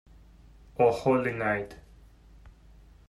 O holy night.